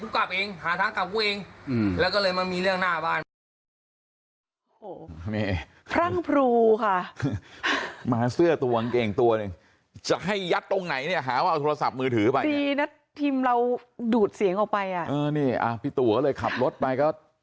ผมก็ว่าอย่างงั้นเอาไปงั้นมึงไปเองเดี๋ยวกูกลับเอง